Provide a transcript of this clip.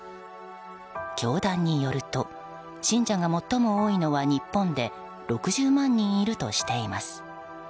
教団によると信者が最も多いのは日本で６０万人いるとしています。